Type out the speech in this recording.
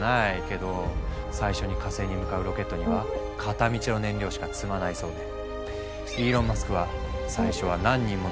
けど最初に火星に向かうロケットには片道の燃料しか積まないそうでイーロン・マスクはと言ってて。